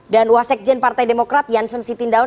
dan wasikjen partai demokrat janssen sitindaun